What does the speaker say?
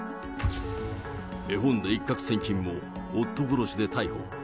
絵本で一獲千金も、夫殺しで逮捕。